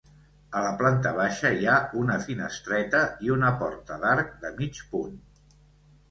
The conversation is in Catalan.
A la planta baixa hi ha una finestreta i una porta d'arc de mig punt.